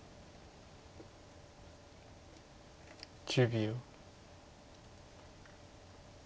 １０秒。